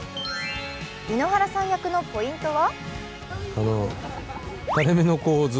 井ノ原さん役のポイントは？